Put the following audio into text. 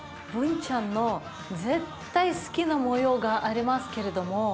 ブンちゃんの絶対好きな模様がありますけれども。